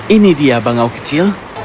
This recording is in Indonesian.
ini dia bangau kecil